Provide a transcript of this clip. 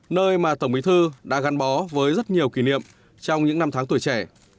nơi mà tổng bí thư đã gắn bó với rất nhiều kỷ niệm trong những năm tháng tuổi trẻ